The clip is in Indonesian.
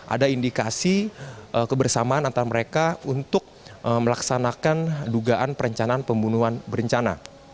ada indikasi kebersamaan antara mereka untuk melaksanakan dugaan perencanaan pembunuhan berencana